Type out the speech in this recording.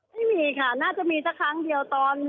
ไม่มีค่ะน่าจะมีสักครั้งเดียวตอน